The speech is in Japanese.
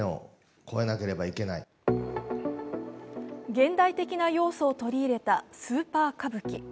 現代的な要素を取り入れたスーパー歌舞伎。